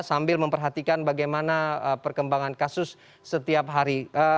sambil memperhatikan bagaimana perkembangan kasus setiap hari